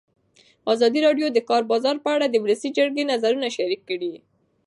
ازادي راډیو د د کار بازار په اړه د ولسي جرګې نظرونه شریک کړي.